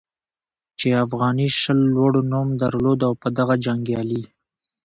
چې افغاني شل لوړ نوم درلود او په دغه جنګیالي